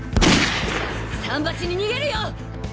桟橋に逃げるよ！